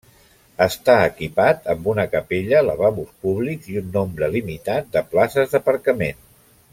Està equipat amb una capella, lavabos públics i un nombre limitat de places d'aparcament.